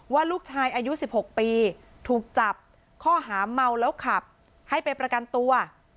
ว่าลูกชายอายุ๑๖ปีถูกจับข้อหาเมาแล้วขับให้ไปประกันตัว